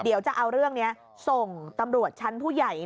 เดี๋ยวจะเอาเรื่องนี้ส่งตำรวจชั้นผู้ใหญ่